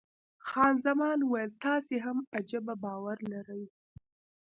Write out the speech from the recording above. خان زمان وویل، تاسې هم عجبه باور لرئ.